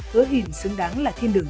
hứa hìn xứng đáng là thiên đường